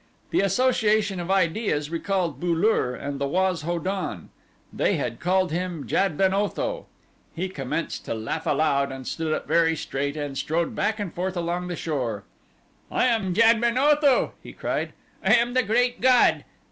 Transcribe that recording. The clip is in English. The association of ideas recalled Bu lur and the Waz ho don. They had called him Jad ben Otho. He commenced to laugh aloud and stood up very straight and strode back and forth along the shore. "I am Jad ben Otho," he cried, "I am the Great God.